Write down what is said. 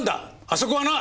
あそこはな